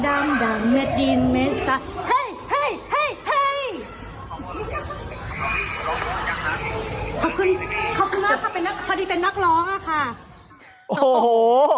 โอ้โห